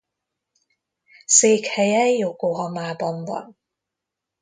Székhelye Jokohamában van.